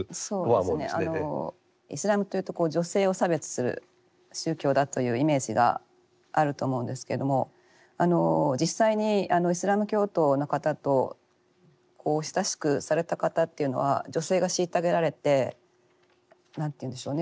イスラムというと女性を差別する宗教だというイメージがあると思うんですけども実際にイスラム教徒の方と親しくされた方っていうのは女性が虐げられて何て言うんでしょうね